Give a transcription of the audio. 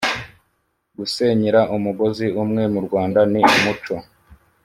gusenyera umugozi umwe mu rwanda ni umuco